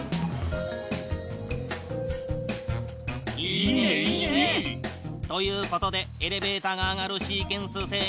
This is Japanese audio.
いいねいいね！ということでエレベータが上がるシーケンス制御。